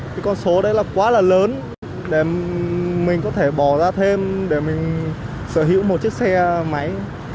cái con số đấy là quá là lớn để mình có thể bỏ ra thêm để mình sở hữu một chiếc xe máy